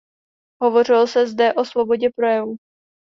Hovořilo se zde o svobodě projevu.